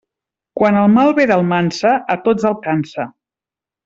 Quan el mal ve d'Almansa, a tots alcança.